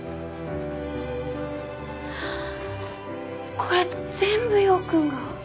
これ全部陽君が？